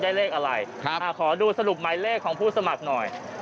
เลขอะไรขอดูสรุปหมายเลขของผู้สมัครหน่อย